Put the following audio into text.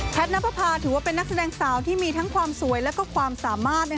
นับประพาถือว่าเป็นนักแสดงสาวที่มีทั้งความสวยและความสามารถ